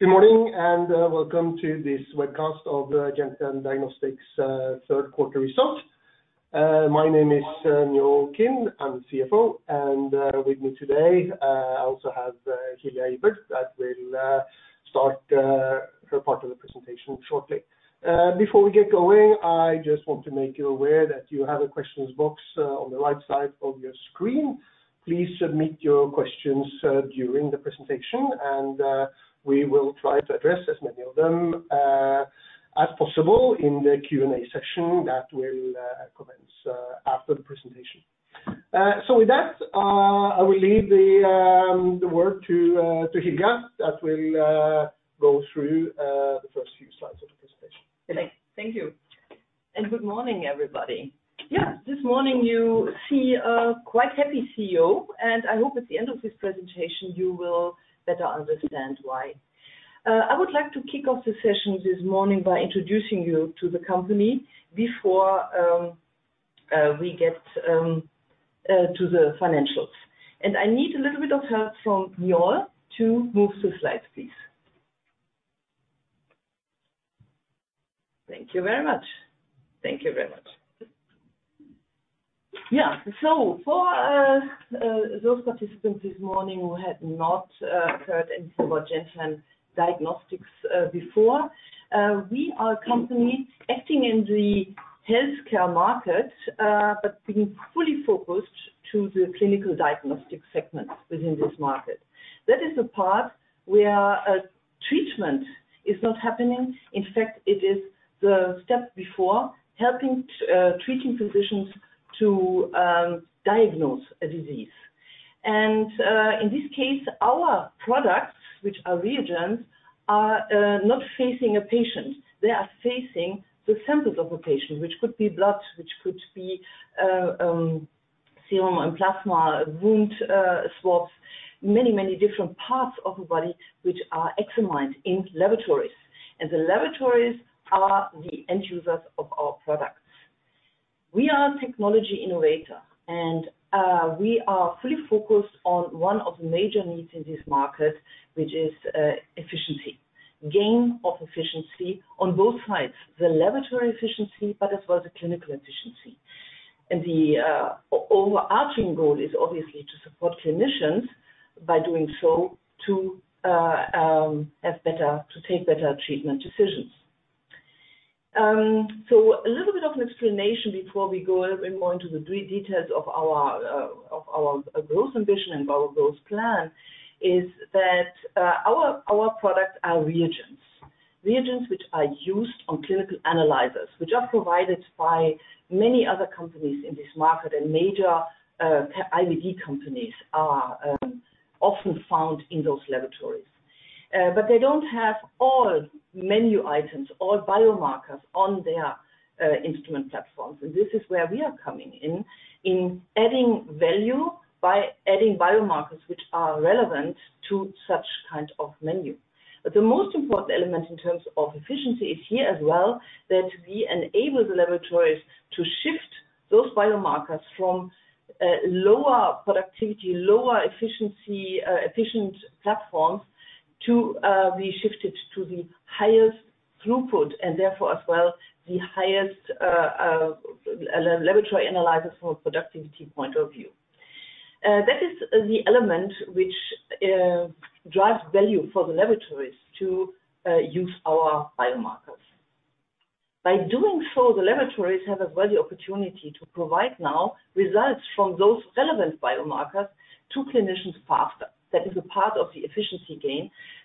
Good morning and welcome to this webcast of the Gentian Diagnostics Q3 results. My name is Njaal Kind. I'm the CFO, and with me today I also have Hilja Ibert that will start her part of the presentation shortly. Before we get going, I just want to make you aware that you have a questions box on the right side of your screen. Please submit your questions during the presentation, and we will try to address as many of them as possible in the Q&A session that will commence after the presentation. With that, I will leave the work to Hilja that will go through the first few slides of the presentation. Hilja. Thanks. Thank you. Good morning, everybody. Yeah, this morning you see a quite happy CEO, and I hope at the end of this presentation you will better understand why. I would like to kick off the session this morning by introducing you to the company before we get to the financials. I need a little bit of help from Njaal to move to slides, please. Thank you very much. Yeah. For those participants this morning who had not heard anything about Gentian Diagnostics before, we are a company acting in the healthcare market, but being fully focused to the clinical diagnostics segment within this market. That is the part where treatment is not happening. In fact, it is the step before helping treating physicians to diagnose a disease. In this case, our products, which are reagents, are not facing a patient. They are facing the samples of a patient, which could be blood, which could be serum and plasma, wound swabs. Many different parts of a body which are examined in laboratories. The laboratories are the end users of our products. We are a technology innovator, and we are fully focused on one of the major needs in this market, which is efficiency. Gain of efficiency on both sides, the laboratory efficiency, but as well the clinical efficiency. The overarching goal is obviously to support clinicians by doing so to take better treatment decisions. A little bit of an explanation before we go even more into the details of our growth ambition and our growth plan is that, our products are reagents. Reagents which are used on clinical analyzers, which are provided by many other companies in this market, and major IVD companies are often found in those laboratories. They don't have all menu items or biomarkers on their instrument platforms, and this is where we are coming in adding value by adding biomarkers which are relevant to such kind of menu. The most important element in terms of efficiency is here as well, that we enable the laboratories to shift those biomarkers from lower productivity, lower efficiency, efficient platforms to be shifted to the highest throughput and therefore as well the highest laboratory analyzers from a productivity point of view. That is the element which drives value for the laboratories to use our biomarkers. By doing so, the laboratories have a value opportunity to provide now results from those relevant biomarkers to clinicians faster. That is a part of the efficiency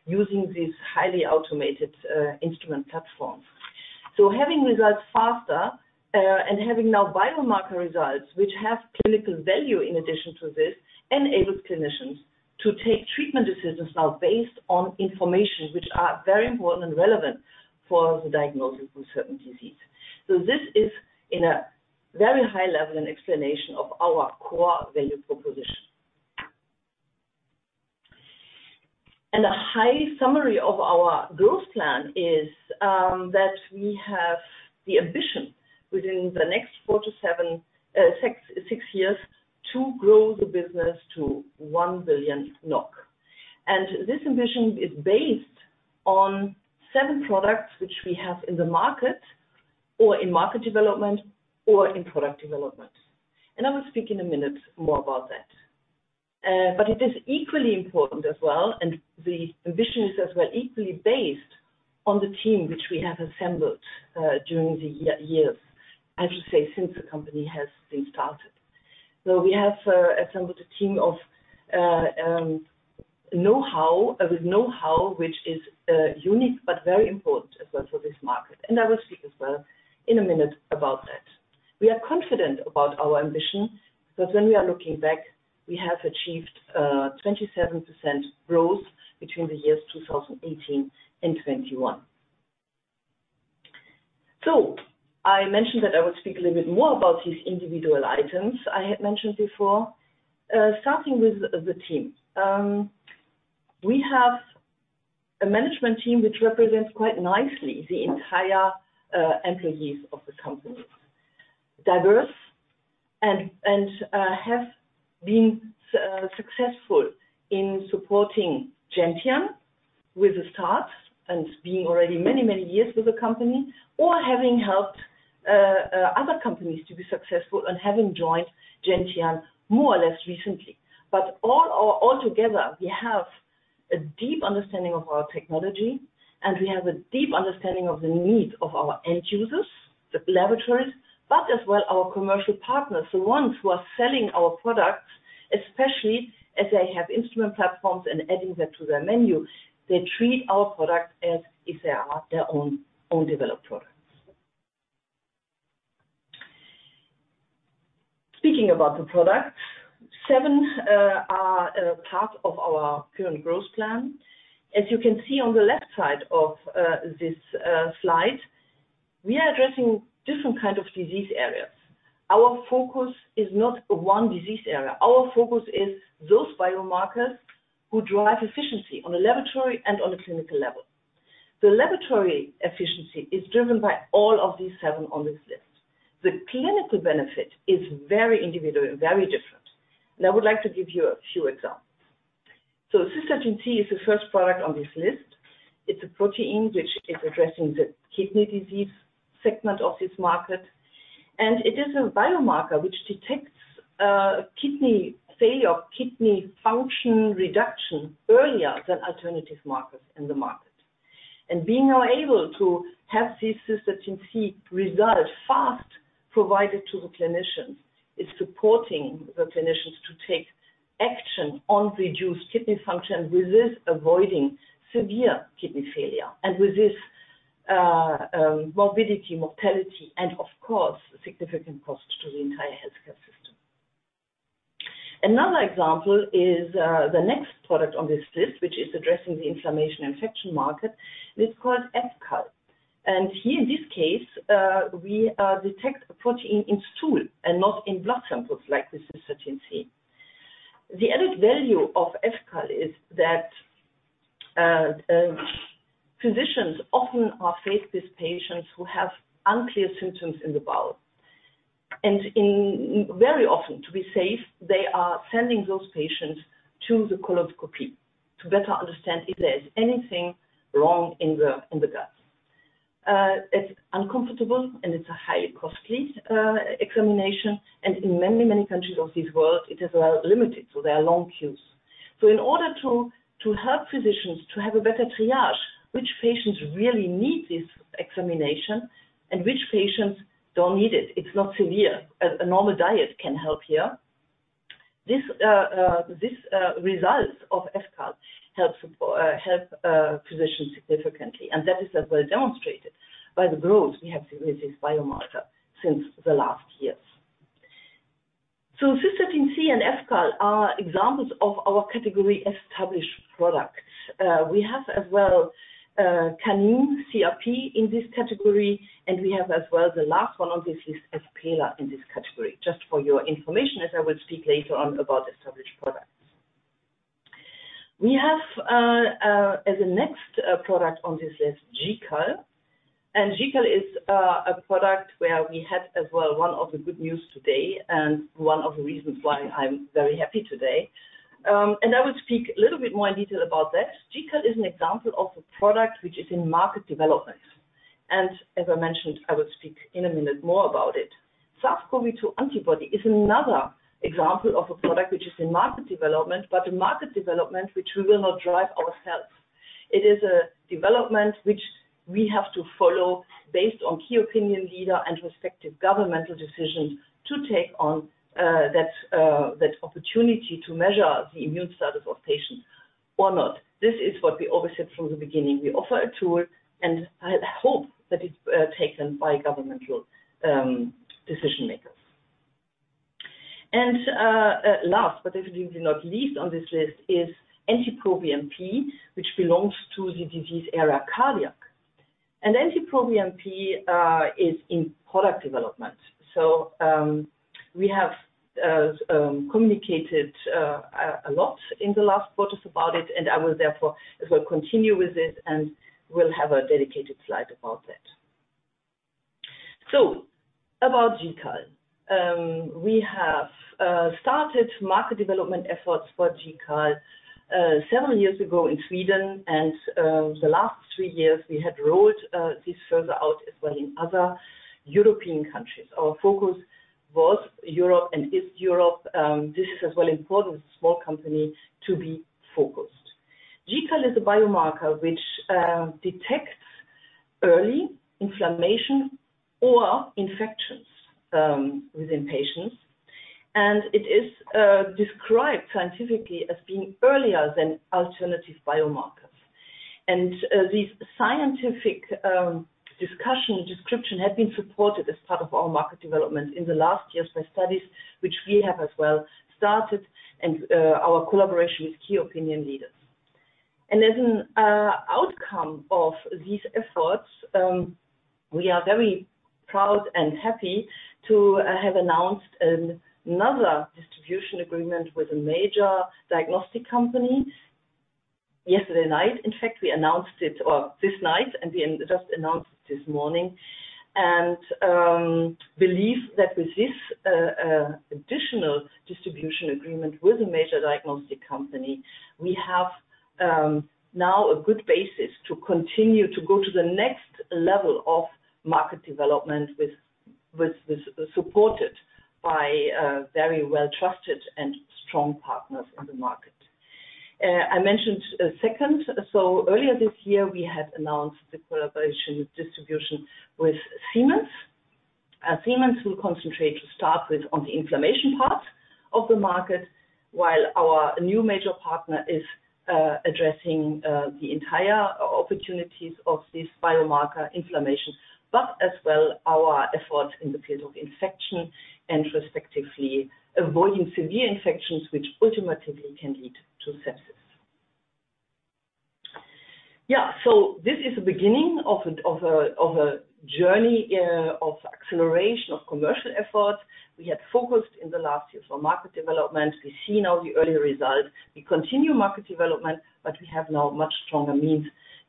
gain using these highly automated instrument platforms. Having results faster and having now biomarker results which have clinical value in addition to this enables clinicians to take treatment decisions now based on information which are very important and relevant for the diagnosis of certain disease. This is in a very high-level an explanation of our core value proposition. A high summary of our growth plan is that we have the ambition within the next six years to grow the business to 1 billion NOK. This ambition is based on seven products which we have in the market or in market development or in product development. I will speak in a minute more about that. But it is equally important as well, and the ambition is as well equally based on the team which we have assembled during the years, I should say, since the company has been started. We have assembled a team of know-how with know-how which is unique but very important as well for this market. I will speak as well in a minute about that. We are confident about our ambition because when we are looking back, we have achieved 27% growth between the years 2018 and 2021. I mentioned that I would speak a little bit more about these individual items I had mentioned before. Starting with the team. We have a management team which represents quite nicely the entire employees of the company. Diverse and have been successful in supporting Gentian with the start and being already many, many years with the company, or having helped other companies to be successful and having joined Gentian more or less recently. All together, we have a deep understanding of our technology, and we have a deep understanding of the needs of our end users, the laboratories, but as well our commercial partners, the ones who are selling our products, especially as they have instrument platforms and adding that to their menu. They treat our product as if they are their own developed products. Speaking about the products, seven are part of our current growth plan. As you can see on the left side of this slide, we are addressing different kind of disease areas. Our focus is not one disease area. Our focus is those biomarkers who drive efficiency on a laboratory and on a clinical level. The laboratory efficiency is driven by all of these seven on this list. The clinical benefit is very individual and very different, and I would like to give you a few examples. Cystatin C is the first product on this list. It's a protein which is addressing the kidney disease segment of this market, and it is a biomarker which detects kidney failure, kidney function reduction earlier than alternative markers in the market. Being now able to have this Cystatin C result fast provided to the clinicians is supporting the clinicians to take action on reduced kidney function, with this avoiding severe kidney failure and with this, morbidity, mortality, and of course, significant cost to the entire healthcare system. Another example is, the next product on this list, which is addressing the inflammation infection market, is called fCAL. Here in this case, we detect a protein in stool and not in blood samples like the Cystatin C. The added value of fCAL is that, physicians often are faced with patients who have unclear symptoms in the bowel. Very often, to be safe, they are sending those patients to the colonoscopy to better understand if there is anything wrong in the gut. It's uncomfortable, and it's a highly costly examination. In many countries of this world, it is limited, so there are long queues. In order to help physicians to have a better triage, which patients really need this examination and which patients don't need it's not severe, a normal diet can help here. This result of fCAL helps physicians significantly, and that is as well demonstrated by the growth we have seen with this biomarker since the last years. Cystatin C and fCAL are examples of our category established products. We have as well Canine CRP in this category, and we have as well the last one on this list, fPELA, in this category, just for your information, as I will speak later on about established products. We have as the next product on this list, GCAL. GCAL is a product where we had as well one of the good news today and one of the reasons why I am very happy today. I will speak a little bit more in detail about that. GCAL is an example of a product which is in market development. As I mentioned, I will speak in a minute more about it. SARS-CoV-2 antibody is another example of a product which is in market development, but a market development which we will not drive ourselves. It is a development which we have to follow based on key opinion leader and respective governmental decisions to take on that opportunity to measure the immune status of patients or not. This is what we always said from the beginning. We offer a tool, and I hope that it's taken by governmental decision-makers. Last but definitely not least on this list is NT-proBNP, which belongs to the disease area cardiac. NT-proBNP is in product development. We have communicated a lot in the last quarters about it, and I will therefore as well continue with this and will have a dedicated slide about that. About GCAL. We have started market development efforts for GCAL several years ago in Sweden and the last three years we had rolled this further out as well in other European countries. Our focus was Europe and is Europe. This is as well important for small company to be focused. GCAL is a biomarker which detects early inflammation or infections within patients. It is described scientifically as being earlier than alternative biomarkers. This scientific discussion description had been supported as part of our market development in the last years by studies which we have as well started and our collaboration with key opinion leaders. As an outcome of these efforts, we are very proud and happy to have announced another distribution agreement with a major diagnostic company. Yesterday night, in fact, we announced it or this night, and we just announced it this morning and believe that with this additional distribution agreement with a major diagnostic company, we have now a good basis to continue to go to the next level of market development with supported by very well-trusted and strong partners on the market. I mentioned a second. Earlier this year, we had announced the collaboration with distribution with Siemens Healthineers. As Siemens will concentrate to start with on the inflammation part of the market, while our new major partner is addressing the entire opportunities of this biomarker inflammation, but as well our efforts in the field of infection and respectively avoiding severe infections which ultimately can lead to sepsis. Yeah. This is the beginning of a journey of acceleration of commercial efforts. We have focused in the last year for market development. We see now the early results. We continue market development, but we have now much stronger means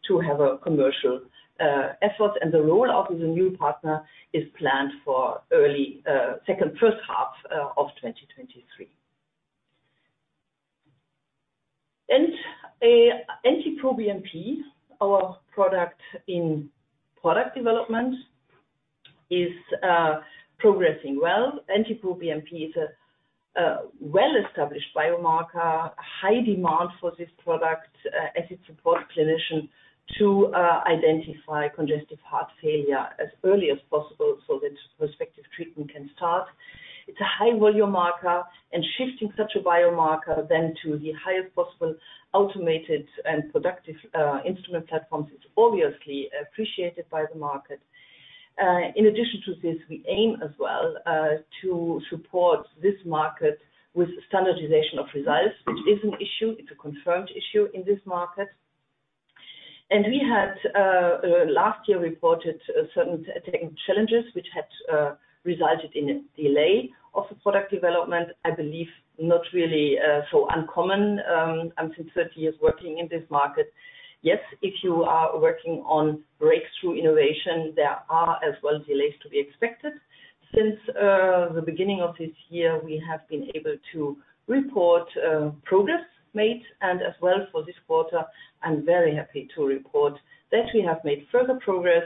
to have a commercial effort, and the roll-out of the new partner is planned for early first half of 2023. NT-proBNP, our product in product development is progressing well. NT-proBNP is a well-established biomarker, high demand for this product, as it supports clinician to identify congestive heart failure as early as possible so that respective treatment can start. It's a high-volume marker, and shifting such a biomarker then to the highest possible automated and productive instrument platforms is obviously appreciated by the market. In addition to this, we aim as well to support this market with standardization of results, which is an issue. It's a confirmed issue in this market. We had last year reported certain tech challenges which had resulted in a delay of the product development, I believe not really so uncommon, I'm since 30 years working in this market. Yes, if you are working on breakthrough innovation, there are as well delays to be expected. Since the beginning of this year, we have been able to report progress made and as well for this quarter. I'm very happy to report that we have made further progress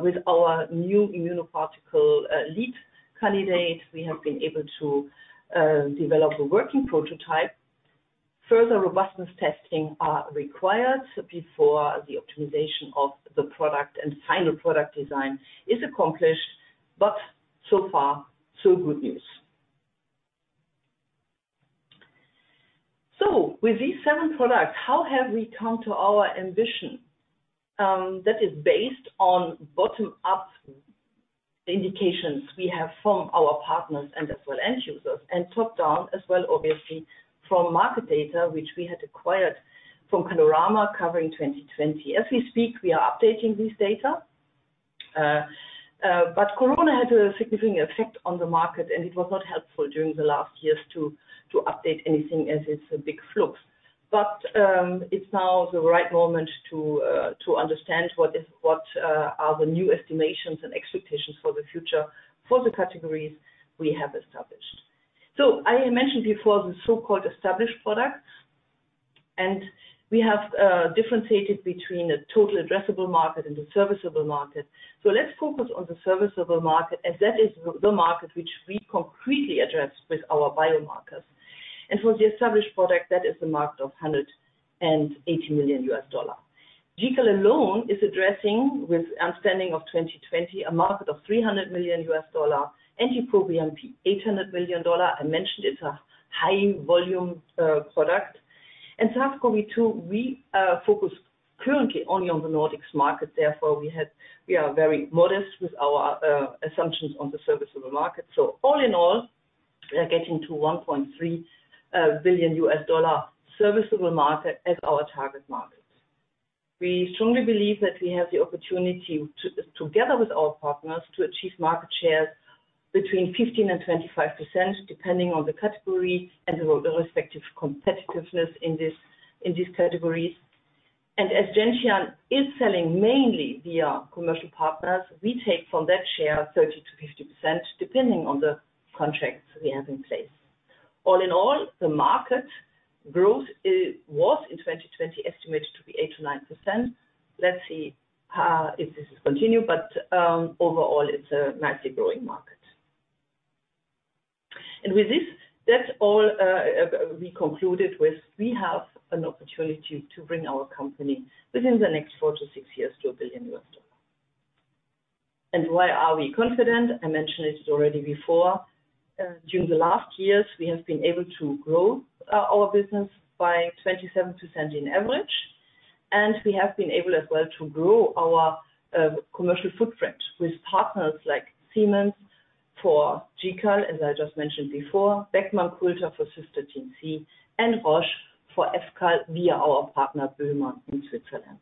with our new immunoparticle lead candidate. We have been able to develop a working prototype. Further robustness testing are required before the optimization of the product and final product design is accomplished, but so far, so good news. With these seven products, how have we come to our ambition? That is based on bottom-up indications we have from our partners and as well end users, and top-down as well, obviously, from market data which we had acquired from Kalorama covering 2020. As we speak, we are updating this data. COVID-19 had a significant effect on the market, and it was not helpful during the last years to update anything as it's a big flux. It's now the right moment to understand what are the new estimations and expectations for the future for the categories we have established. I mentioned before the so-called established products, and we have differentiated between the total addressable market and the serviceable market. Let's focus on the serviceable market, and that is the market which we concretely address with our biomarkers. For the established product, that is the market of $180 million. GCAL alone is addressing with understanding of 2020, a market of $300 million. NT-proBNP, $800 million. I mentioned it's a high volume product. SARS-CoV-2, we focus currently only on the Nordics market. Therefore, we are very modest with our assumptions on the serviceable market. All in all, we are getting to $1.3 billion serviceable market as our target market. We strongly believe that we have the opportunity together with our partners, to achieve market shares between 15%-25%, depending on the category and the respective competitiveness in this, in these categories. As Gentian is selling mainly via commercial partners, we take from that share 30%-50%, depending on the contracts we have in place. All in all, the market growth was in 2020 estimated to be 8%-9%. Let's see if this continue, but overall, it's a nicely growing market. With this, that's all, we have an opportunity to bring our company within the next four to six years to $1 billion. Why are we confident? I mentioned it already before. During the last years, we have been able to grow our business by 27% on average, and we have been able as well to grow our commercial footprint with partners like Siemens for GCAL, as I just mentioned before, Beckman Coulter for Cystatin C, and Roche for fCAL via our partner, Bühlmann in Switzerland.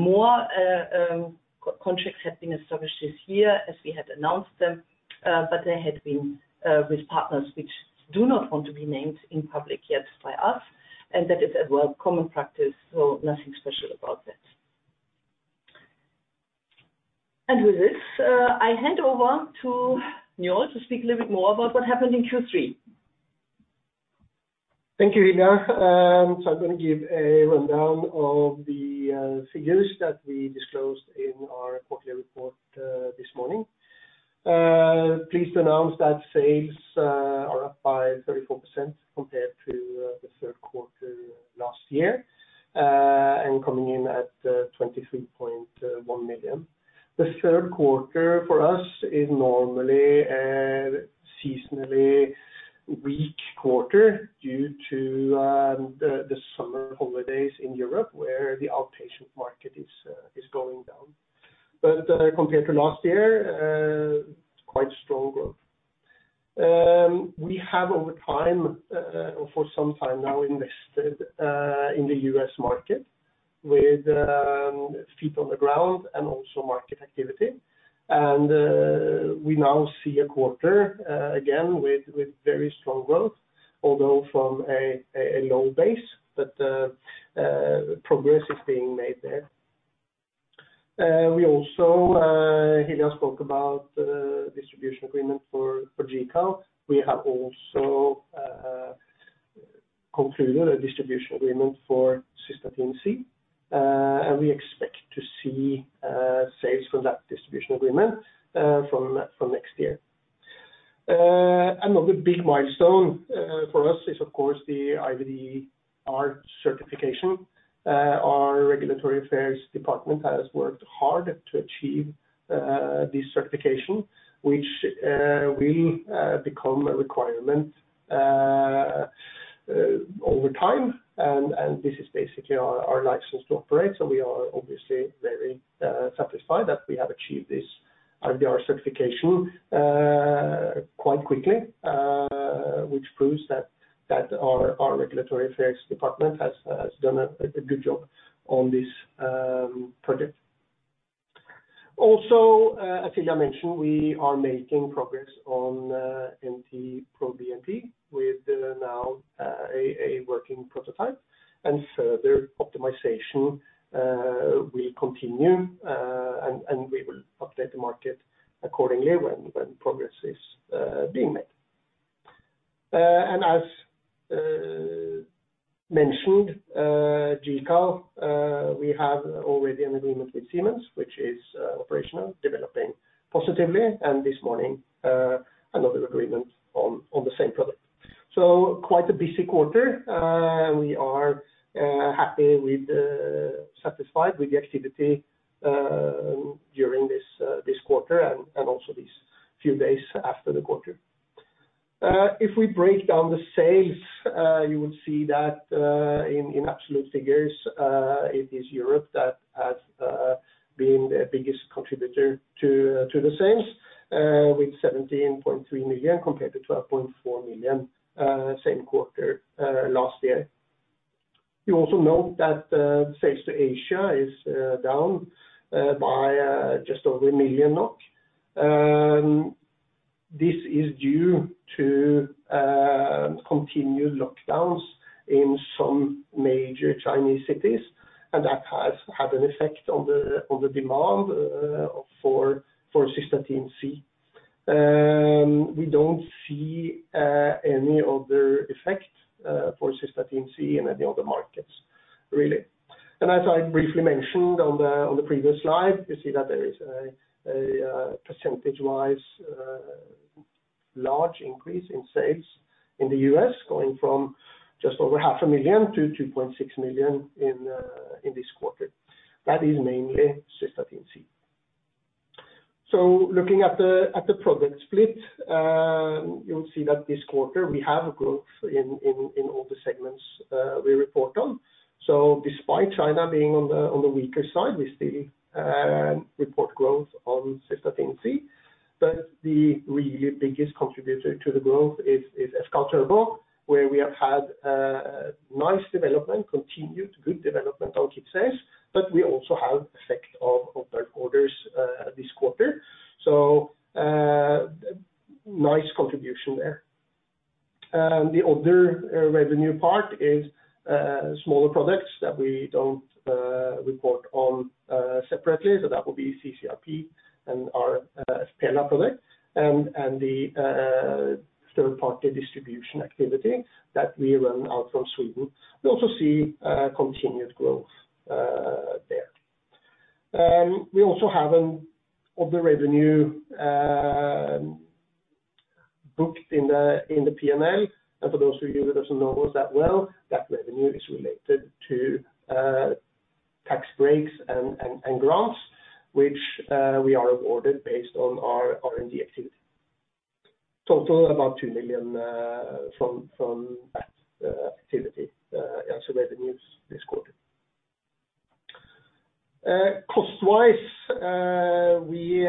More contracts have been established this year as we had announced them, but they had been with partners which do not want to be named in public yet by us, and that is a well-known common practice, so nothing special about that. With this, I hand over to Njaal to speak a little bit more about what happened in Q3. Thank you, Hilja. So I'm gonna give a rundown of the figures that we disclosed in our quarterly report this morning. Pleased to announce that sales are up by 34% compared to the Q3 last year, and coming in at 23.1 million. The Q3 for us is normally a seasonally weak quarter due to the summer holidays in Europe, where the outpatient market is going down. Compared to last year, quite strong growth. We have over time, for some time now invested in the US market with feet on the ground and also market activity. We now see a quarter again with very strong growth, although from a low base, but progress is being made there. We also, Hilja spoke about, distribution agreement for GCAL. We have also concluded a distribution agreement for Cystatin C, and we expect to see sales from that distribution agreement from next year. Another big milestone for us is of course the IVDR certification. Our regulatory affairs department has worked hard to achieve this certification, which will become a requirement over time. This is basically our license to operate, so we are obviously very satisfied that we have achieved this IVDR certification quite quickly, which proves that our regulatory affairs department has done a good job on this project. Also, as Hilja mentioned, we are making progress on NT-proBNP with now a working prototype. Further optimization will continue, and we will update the market accordingly when progress is being made. As mentioned, GCAL, we have already an agreement with Siemens, which is operational, developing positively, and this morning, another agreement on the same product. Quite a busy quarter. We are happy with, satisfied with the activity during this quarter and also these few days after the quarter. If we break down the sales, you will see that, in absolute figures, it is Europe that has been the biggest contributor to the sales, with 17.3 million compared to 12.4 million, same quarter last year. You also note that sales to Asia is down by just over 1 million NOK. This is due to continued lockdowns in some major Chinese cities, and that has had an effect on the demand for Cystatin C. We don't see any other effect for Cystatin C in any other markets, really. As I briefly mentioned on the previous slide, you see that there is a percentage-wise large increase in sales in the U.S. going from just over 500,000 to 2.6 million in this quarter. That is mainly Cystatin C. Looking at the product split, you'll see that this quarter we have growth in all the segments we report on. Despite China being on the weaker side, we still report growth on Cystatin C. The really biggest contributor to the growth is fCAL turbo, where we have had nice development, continued good development on kit sales, but we also have effect of Q3s this quarter. Nice contribution there. The other revenue part is smaller products that we don't report on separately. That would be CCRP and our fPELA product and the third-party distribution activity that we run out from Sweden. We also see continued growth there. We also have another revenue booked in the P&L. For those of you who doesn't know us that well, that revenue is related to tax breaks and grants, which we are awarded based on our R&D activity. Total about NOK 2 million from that activity as revenues this quarter. Cost-wise, we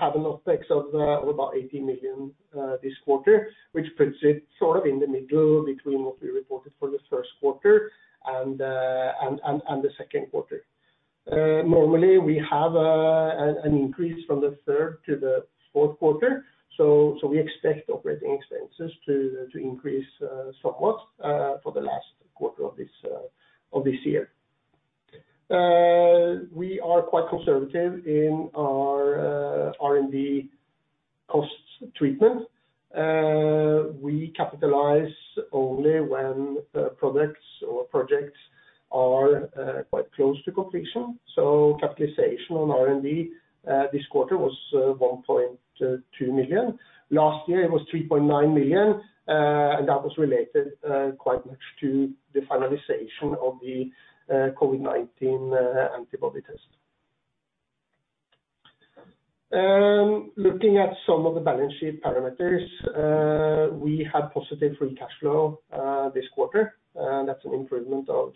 have an OpEx of about 80 million this quarter, which puts it sort of in the middle between what we reported for the Q1 and the Q2. Normally, we have an increase from the third to the Q4, so we expect operating expenses to increase somewhat for the last quarter of this year. We are quite conservative in our R&D costs treatment. We capitalize only when products or projects are quite close to completion. Capitalization on R&D this quarter was 1.2 million. Last year, it was 3.9 million and that was related quite much to the finalization of the COVID-19 antibody test. Looking at some of the balance sheet parameters, we have positive free cash flow this quarter. That's an improvement of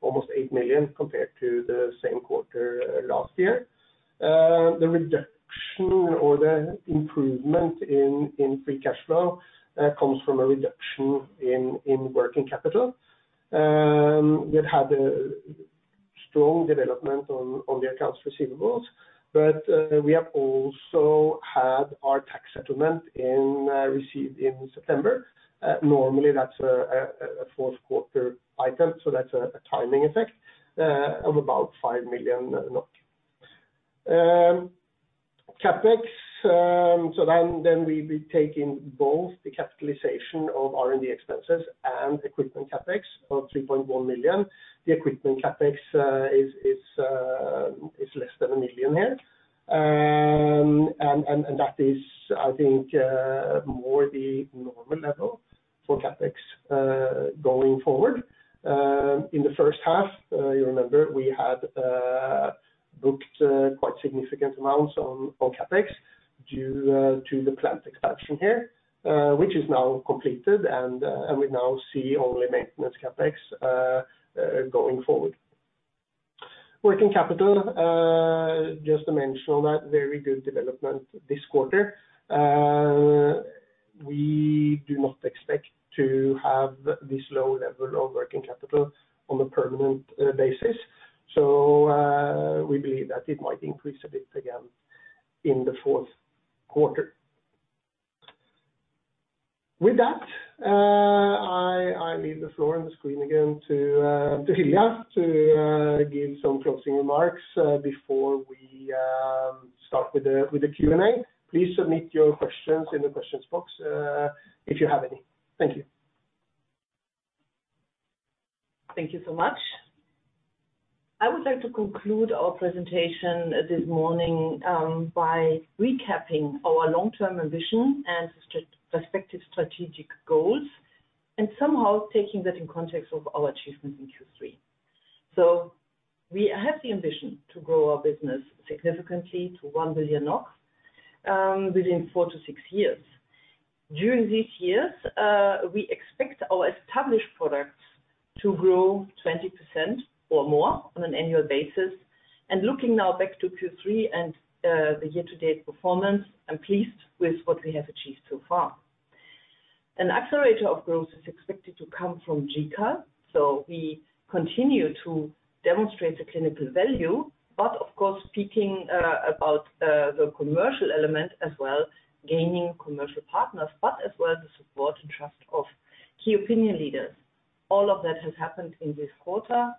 almost 8 million compared to the same quarter last year. The reduction or the improvement in free cash flow comes from a reduction in working capital. We've had a strong development on the accounts receivables, but we have also had our tax settlement received in September. Normally that's a Q4 item, so that's a timing effect of about 5 million. CapEx, we'll be taking both the capitalization of R&D expenses and equipment CapEx of 3.1 million. The equipment CapEx is less than NOK 1 million here. That is, I think, more the normal level for CapEx going forward. In the first half, you remember we had booked quite significant amounts on CapEx due to the plant expansion here, which is now completed and we now see only maintenance CapEx going forward. Working capital, just to mention on that, very good development this quarter. We do not expect to have this low level of working capital on a permanent basis, so we believe that it might increase a bit again in the Q4. With that, I leave the floor and the screen again to Hilja to give some closing remarks before we start with the Q&A. Please submit your questions in the questions box if you have any. Thank you. Thank you so much. I would like to conclude our presentation this morning, by recapping our long-term ambition and respective strategic goals, and somehow taking that in context of our achievements in Q3. We have the ambition to grow our business significantly to 1 billion NOK, within four to six years. During these years, we expect our established products to grow 20% or more on an annual basis. Looking now back to Q3 and the year-to-date performance, I'm pleased with what we have achieved so far. An accelerator of growth is expected to come from GCAL. We continue to demonstrate the clinical value, but of course, speaking about the commercial element as well, gaining commercial partners, but as well the support and trust of key opinion leaders. All of that has happened in this quarter.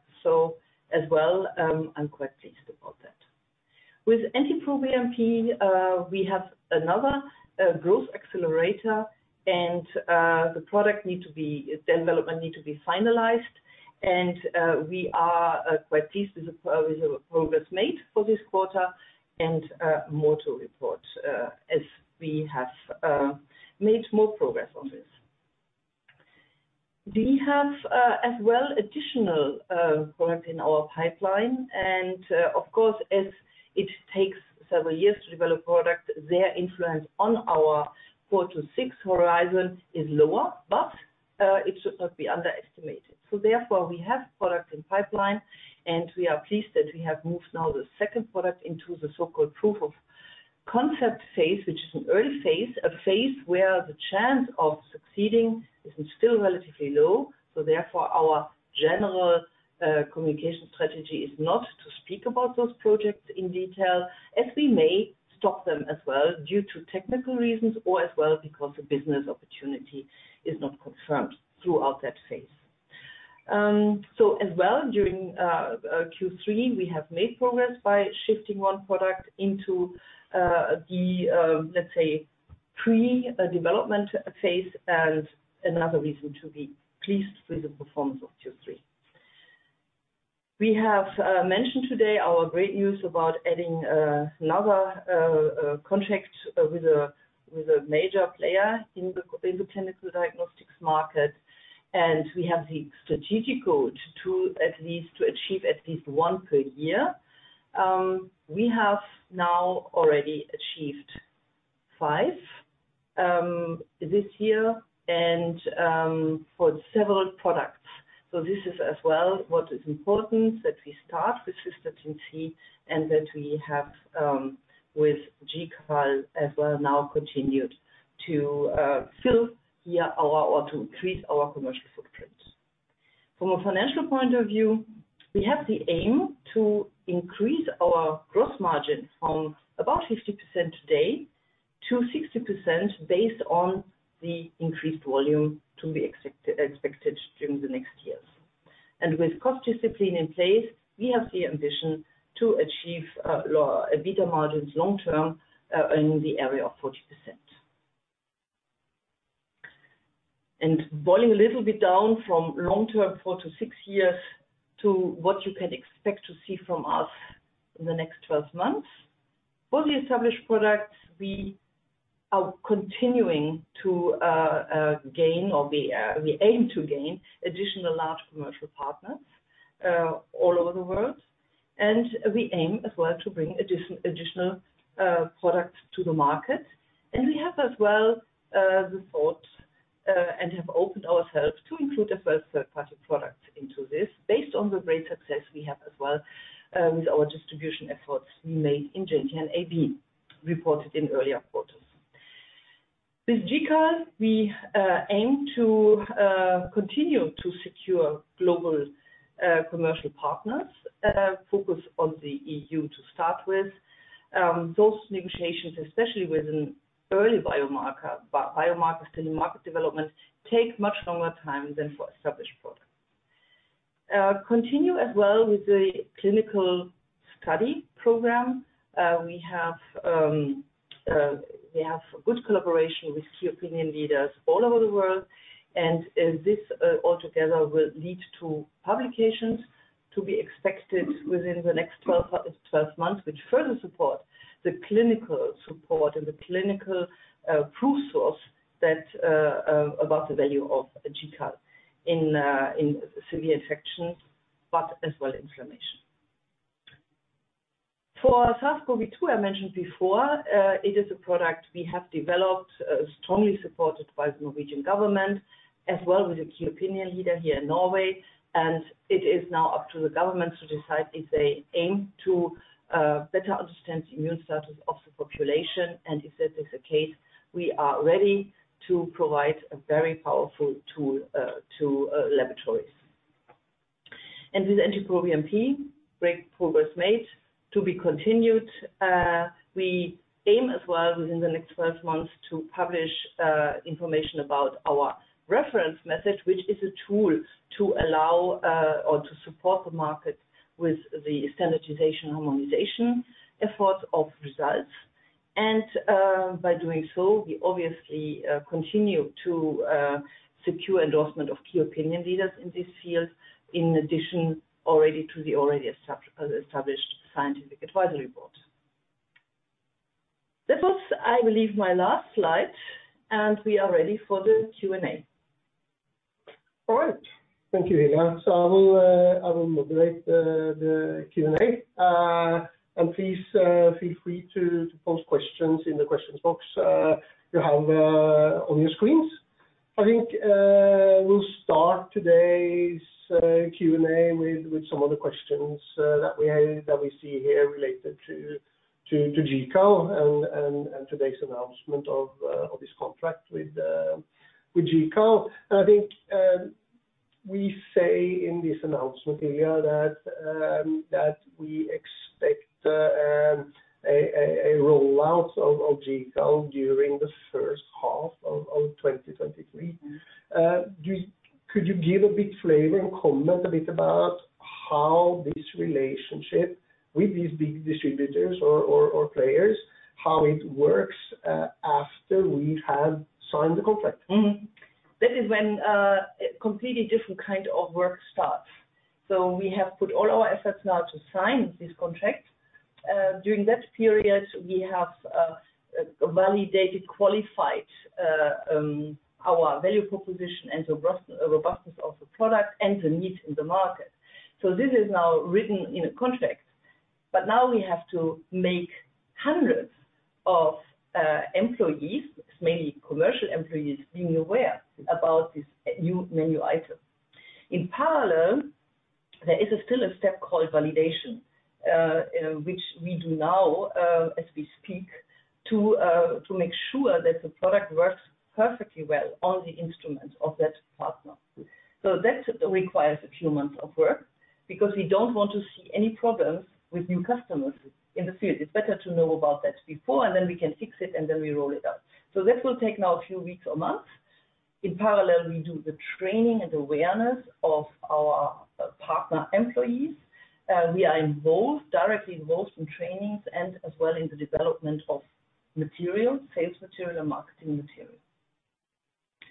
As well, I'm quite pleased about that. With NT-proBNP, we have another growth accelerator and the development needs to be finalized. We are quite pleased with the progress made for this quarter and more to report as we have made more progress on this. We have as well additional product in our pipeline, and of course, as it takes several years to develop product, their influence on our four to six horizon is lower, but it should not be underestimated. Therefore, we have product in pipeline, and we are pleased that we have moved now the second product into the so-called proof of concept phase, which is an early phase, a phase where the chance of succeeding is still relatively low. Therefore, our general communication strategy is not to speak about those projects in detail, as we may stop them as well due to technical reasons or as well because the business opportunity is not confirmed throughout that phase. During Q3, we have made progress by shifting one product into the let's say pre-development phase and another reason to be pleased with the performance of Q3. We have mentioned today our great news about adding another contract with a major player in the clinical diagnostics market, and we have the strategic goal to achieve at least one per year. We have now already achieved five this year and for several products. This is as well what is important that we start with Cystatin C and that we have with GCAL as well now continued to increase our commercial footprint. From a financial point of view, we have the aim to increase our gross margin from about 50% today to 60% based on the increased volume to be expected during the next years. With cost discipline in place, we have the ambition to achieve EBITDA margins long term in the area of 40%. Boiling a little bit down from long term, four to six years, to what you can expect to see from us in the next 12 months. For the established products, we are continuing to gain, or we aim to gain additional large commercial partners all over the world. We aim as well to bring additional products to the market. We have as well the thought and have opened ourselves to include the first third-party product into this based on the great success we have as well with our distribution efforts we made in Gentian AB, reported in earlier quarters. With GCAL, we aim to continue to secure global commercial partners focused on the EU to start with. Those negotiations, especially with early biomarkers in the market development, take much longer time than for established products. Continue as well with the clinical study program. We have good collaboration with key opinion leaders all over the world, and this all together will lead to publications to be expected within the next 12 months, which further support the clinical support and the clinical proof source that about the value of GCAL in severe infections, but as well inflammation. For SARS-CoV-2, I mentioned before, it is a product we have developed, strongly supported by the Norwegian government, as well with a key opinion leader here in Norway. It is now up to the government to decide if they aim to better understand the immune status of the population. If that is the case, we are ready to provide a very powerful tool to laboratories. With NT-proBNP, great progress made to be continued. We aim as well within the next 12 months to publish information about our reference method, which is a tool to allow or to support the market with the standardization, harmonization efforts of results. By doing so, we obviously continue to secure endorsement of key opinion leaders in this field, in addition already to the already established scientific advisory board. That was, I believe, my last slide, and we are ready for the Q&A. All right. Thank you, Hilja. I will moderate the Q&A. Please feel free to post questions in the questions box you have on your screens. I think we'll start today's Q&A with some of the questions that we have that we see here related to GCAL and today's announcement of this contract with GCAL. I think we say in this announcement here that we expect a roll-out of GCAL during the first half of 2023. Mm-hmm. Could you give a bit flavor and comment a bit about how this relationship with these big distributors or players works after we have signed the contract? That is when a completely different kind of work starts. We have put all our efforts now to sign this contract. During that period, we have validated, qualified our value proposition and the robustness of the product and the need in the market. This is now written in a contract, but now we have to make hundreds of employees, mainly commercial employees, being aware about this new item. In parallel, there is still a step called validation, which we do now as we speak, to make sure that the product works perfectly well on the instrument of that partner. That requires a few months of work because we don't want to see any problems with new customers in the field. It's better to know about that before, and then we can fix it, and then we roll it out. This will take now a few weeks or months. In parallel, we do the training and awareness of our partner employees. We are involved, directly involved in trainings and as well in the development of material, sales material and marketing material.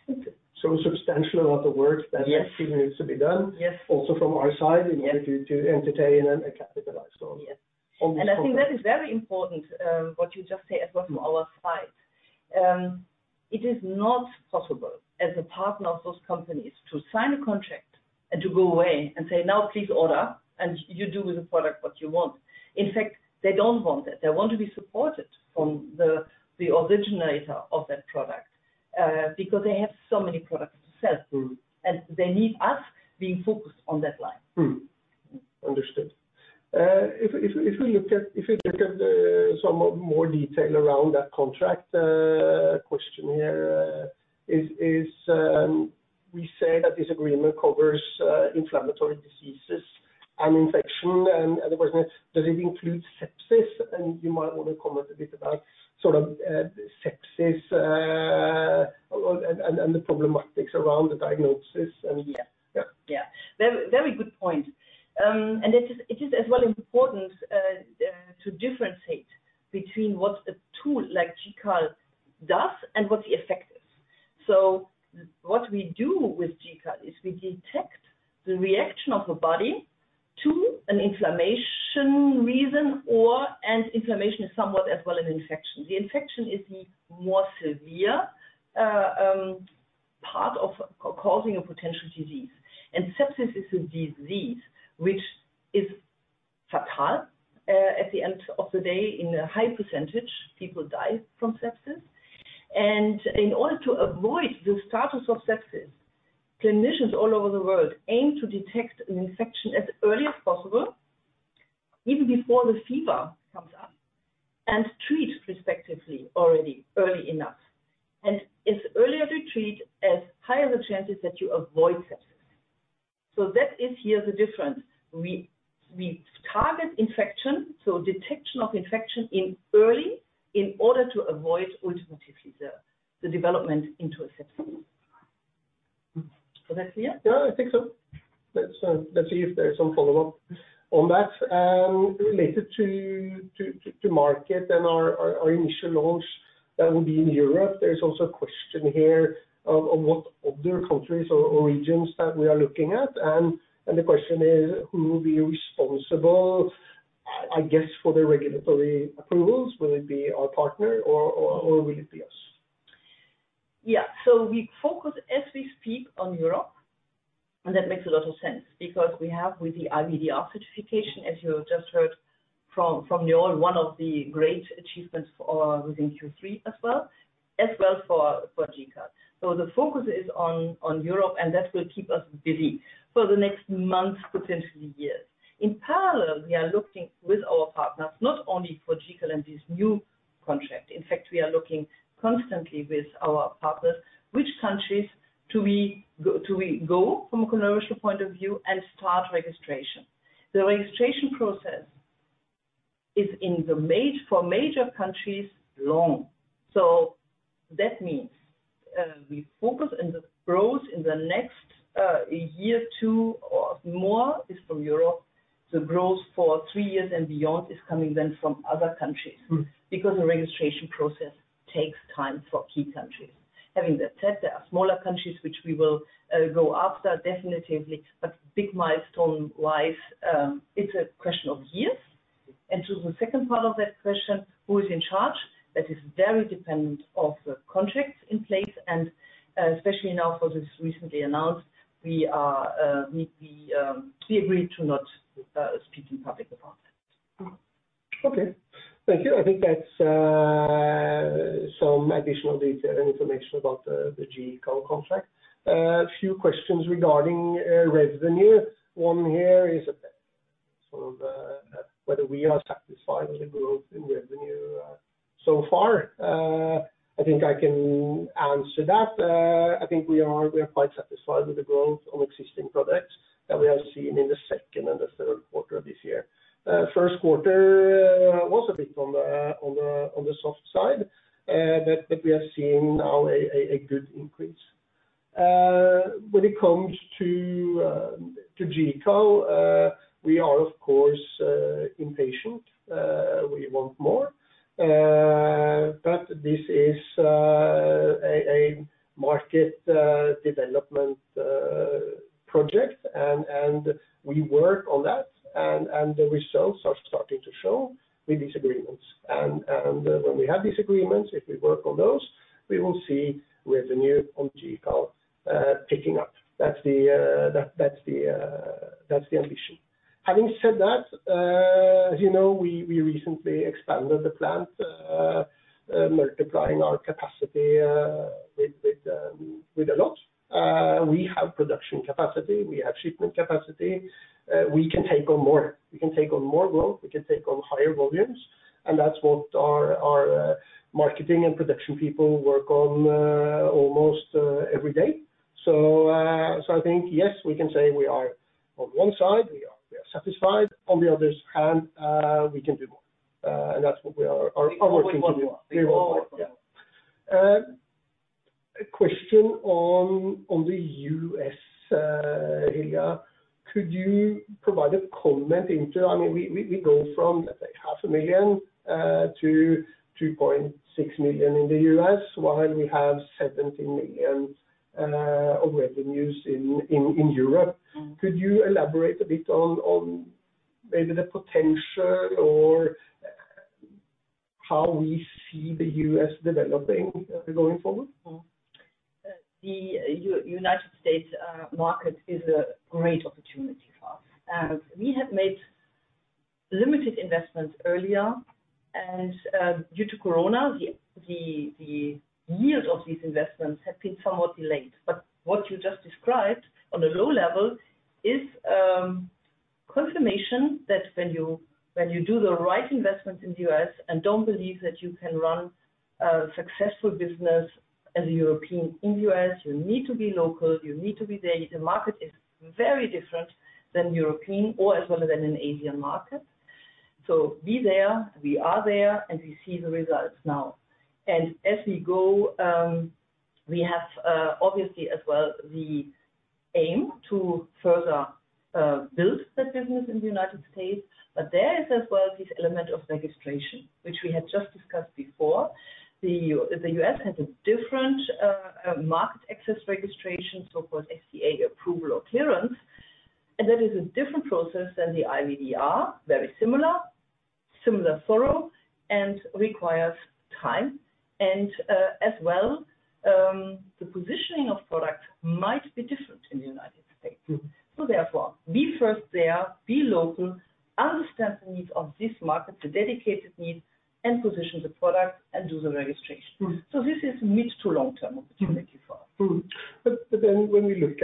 Okay. Substantial amount of work. Yes. Still needs to be done. Yes. Also from our side, in order to entertain and capitalize on. Yes. On this contract. I think that is very important, what you just said, as well from our side. It is not possible as a partner of those companies to sign a contract and to go away and say, "Now please order, and you do with the product what you want." In fact, they don't want that. They want to be supported from the originator of that product, because they have so many products to sell. Mm-hmm. They need us being focused on that line. Mm-hmm. Understood. If we look at some more detail around that contract, question here, is we say that this agreement covers inflammatory diseases and infection, and in other words, does it include sepsis? You might want to comment a bit about sort of sepsis and the problematics around the diagnosis and. Yeah. Yeah. Yeah. Very, very good point. It is as well important to differentiate between what a tool like GCAL does and what the effect is. What we do with GCAL is we detect the reaction of a body to an inflammation reason and inflammation is somewhat as well an infection. The infection is the more severe part of causing a potential disease. Sepsis is a disease which is fatal, at the end of the day, in a high percentage, people die from sepsis. In order to avoid the status of sepsis, clinicians all over the world aim to detect an infection as early as possible, even before the fever comes up, and treat respectively already early enough. As earlier to treat, as higher the chance is that you avoid sepsis. That is here the difference. We target infection, so detection of infection in early in order to avoid ultimately the development into a sepsis. Was that clear? Yeah, I think so. Let's see if there's some follow-up on that. Related to market and our initial launch that will be in Europe, there's also a question here of what other countries or regions that we are looking at. The question is, who will be responsible, I guess, for the regulatory approvals? Will it be our partner or will it be us? Yeah. We focus as we speak on Europe, and that makes a lot of sense because we have with the IVDR certification, as you just heard from Njaal, one of the great achievements for within Q3 as well for GCAL. The focus is on Europe, and that will keep us busy for the next months, potentially years. In parallel, we are looking with our partners, not only for GCAL and this new contract. In fact, we are looking constantly with our partners which countries do we go from a commercial point of view and start registration. The registration process is in the major countries, long. That means we focus on the growth in the next year or two or more is from Europe. The growth for three years and beyond is coming then from other countries. Mm-hmm. Because the registration process takes time for key countries. Having that said, there are smaller countries which we will go after definitively, but big milestone-wise, it's a question of years. To the second part of that question, who is in charge, that is very dependent of the contracts in place, and especially now for this recently announced, we agreed to not speak in public about that. Okay. Thank you. I think that's some additional detail and information about the GCAL contract. A few questions regarding revenue. One here is sort of whether we are satisfied with the growth in revenue so far. I think I can answer that. I think we are quite satisfied with the growth on existing products that we have seen in the second and the Q3 of this year. Q1 was a bit on the soft side, but we are seeing now a good increase. When it comes to GCAL, we are of course impatient. We want more. This is a market development project and we work on that and the results are starting to show with these agreements. When we have these agreements, if we work on those, we will see revenue on GCAL picking up. That's the ambition. Having said that, as you know, we recently expanded the plant, multiplying our capacity with a lot. We have production capacity, we have shipment capacity. We can take on more. We can take on more growth. We can take on higher volumes. That's what our marketing and production people work on almost every day. I think, yes, we can say we are on one side, we are satisfied. On the other hand, we can do more. That's what we are working toward. We always want more. A question on the U.S., Hilja. Could you provide a comment? I mean, we go from, let's say 500,000 to 2.6 million in the U.S., while we have 17 million of revenues in Europe. Could you elaborate a bit on maybe the potential or how we see the U.S. developing going forward. The United States market is a great opportunity for us. We have made limited investments earlier. Due to Corona, the yield of these investments have been somewhat delayed. What you just described on the low level is confirmation that when you do the right investment in the US and don't believe that you can run a successful business as a European in the US, you need to be local, you need to be there. The market is very different than European or as well as an Asian market. Be there, we are there, and we see the results now. As we go, we have obviously as well the aim to further build that business in the United States. There is as well this element of registration, which we had just discussed before. The U.S. has a different market access registration, so-called FDA approval or clearance, and that is a different process than the IVDR. Very similar thorough and requires time. As well, the positioning of products might be different in the United States. Mm-hmm. Be first there, be local, understand the needs of this market, the dedicated needs, and position the product and do the registration. Mm-hmm. This is mid to long-term opportunity for us. When we look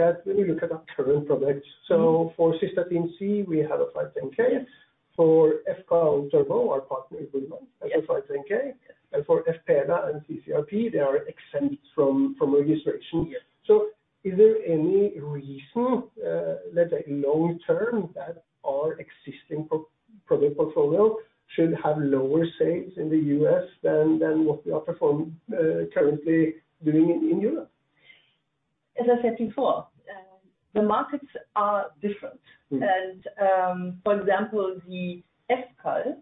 at our current products, so for Cystatin C, we have a 510(k). For fCAL turbo, our partner Bühlmann has a 510(k). For fPELA and CCRP, they are exempt from registration. Yes. Is there any reason, let's say long term, that our existing product portfolio should have lower sales in the U.S. than what we are currently doing in Europe? As I said before, the markets are different. Mm-hmm. For example, the fCAL,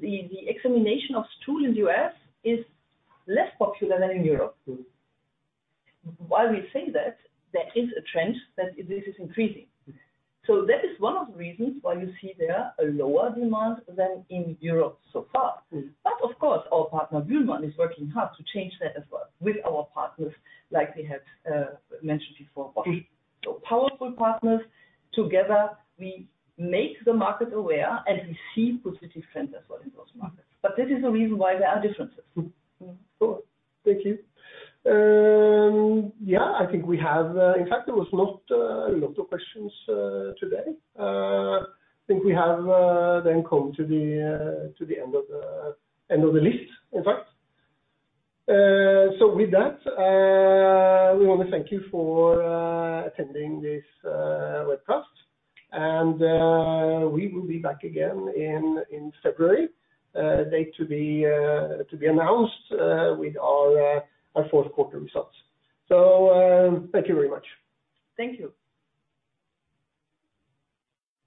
the examination of stool in the US is less popular than in Europe. Mm-hmm. While we say that, there is a trend that this is increasing. Mm-hmm. That is one of the reasons why you see there a lower demand than in Europe so far. Mm-hmm. Of course, our partner Bühlmann is working hard to change that as well with our partners like we have mentioned before, Roche. Powerful partners. Together we make the market aware, and we see positive trends as well in those markets. This is the reason why there are differences. Mm-hmm. Cool. Thank you. Yeah, I think we have, in fact, there was not a lot of questions today. I think we have then come to the end of the list in fact. With that, we wanna thank you for attending this webcast. We will be back again in February, date to be announced, with our Q4 results. Thank you very much. Thank you.